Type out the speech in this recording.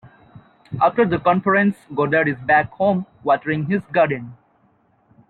After the conference, Godard is back home, watering his garden.